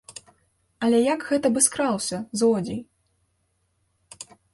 Але як гэта бы скраўся, злодзей?